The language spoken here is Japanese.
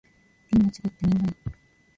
みんな違ってみんないい。